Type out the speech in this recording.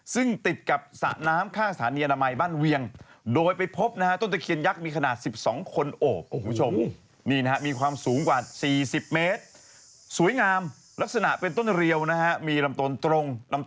ซึ่งติดกับสระน้ำข้าสถานีอนามัยบ้านเวียง